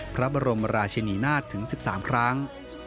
พระบรมราชินีนาฏถึง๑๓ครั้ง